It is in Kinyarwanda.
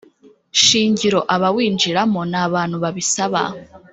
shingiro abawinjiramo n abantu babisaba